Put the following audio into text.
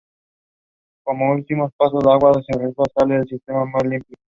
Como último paso el agua se filtra y sale del sistema más limpio.